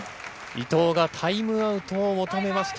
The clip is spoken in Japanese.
伊藤がタイムアウトを求めました。